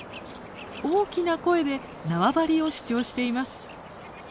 大きな声で縄張りを主張しています。